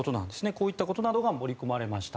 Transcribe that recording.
こういったことなどが盛り込まれました。